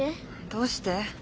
どうして？